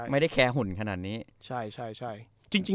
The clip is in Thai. ไม่ได้แคข์หุ่นค่ะนี้